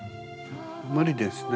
無理ですね。